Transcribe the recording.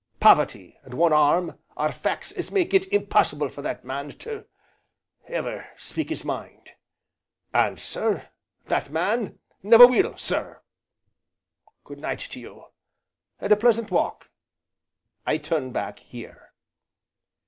Poverty, and one arm, are facts as make it impossible for that man to ever speak his mind. And, sir that man never will. Sir, good night to you! and a pleasant walk! I turn back here."